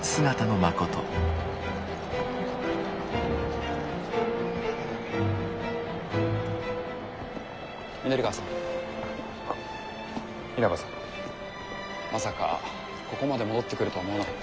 まさかここまで戻ってくるとは思わなかったよ。